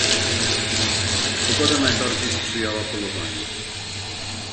"Pogoda najbardziej sprzyjała polowaniu."